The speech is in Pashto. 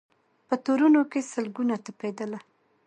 په تورونو کي سل ګونه تپېدله